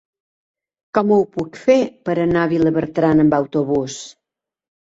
Com ho puc fer per anar a Vilabertran amb autobús?